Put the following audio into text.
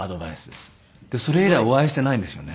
それ以来お会いしていないんですよね。